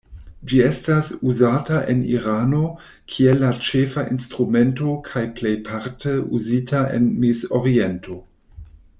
Ĝi estas uzata en Irano kiel la ĉefa instrumento kaj plejparte uzita en Mezoriento.